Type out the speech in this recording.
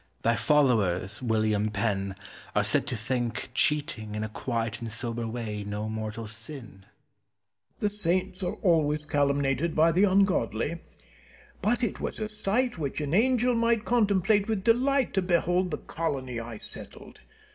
Thy followers, William Penn, are said to think cheating in a quiet and sober way no mortal sin. Penn. The saints are always calumniated by the ungodly. But it was a sight which an angel might contemplate with delight to behold the colony I settled!